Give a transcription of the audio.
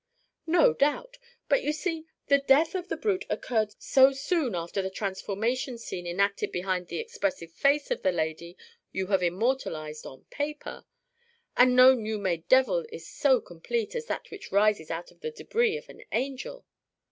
"No doubt. But, you see, the death of the brute occurred so soon after the transformation scene enacted behind the expressive face of the lady you have immortalised on paper and no new made devil is so complete as that which rises out of the debris of an angel.